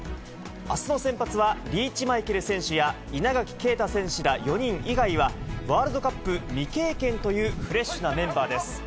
あすの先発はリーチマイケル選手や稲垣啓太選手ら４人以外は、ワールドカップ未経験という、フレッシュなメンバーです。